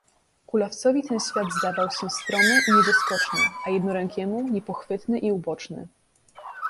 Kulawcowi ten świat zdawał się — stromy i niedoskoczony, a jednorękiemu — niepochwytny i uboczny.